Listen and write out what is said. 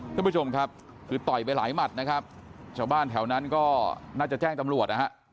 ท่านผู้ชมครับคือต่อยไปหลายหมัดนะครับชาวบ้านแถวนั้นก็น่าจะแจ้งตำรวจนะฮะ